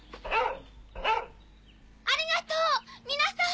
ありがとう皆さん！